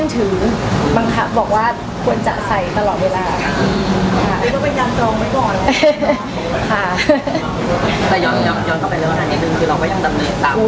แต่ยันต้องก็ไปเรื่องอาณาอังนตรงหนึ่งนะคะ